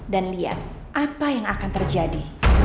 dan lihat apa yang akan terjadi